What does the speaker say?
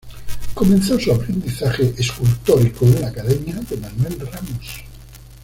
Comenzó su aprendizaje escultórico en la academia de Manuel Ramos.